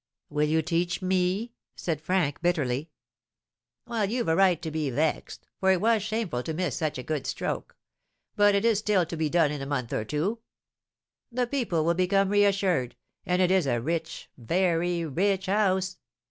"Will you teach me?" said Frank, bitterly. "Well, you've a right to be vexed, for it was shameful to miss such a good stroke; but it is still to be done in a month or two. The people will become reassured, and it is a rich, very rich house.